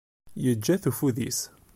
Yeǧǧa-t ufud-is.